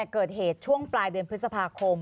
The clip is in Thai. เกิดเหตุช่วงปลายเดือนพฤษภาคม